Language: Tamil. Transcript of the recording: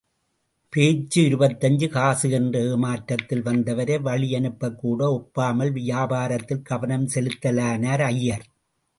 போச்சு, இருபத்தஞ்சு காசு என்ற ஏமாற்றத்தில், வந்தவரை வழியனுப்பக்கூட ஒப்பாமல், வியாபாரத்தில் கவனம் செலுத்தலானார் ஐயர்.